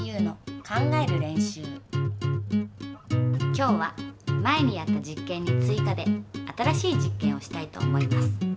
今日は前にやった実験に追加で新しい実験をしたいと思います。